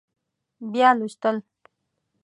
بیا لوستل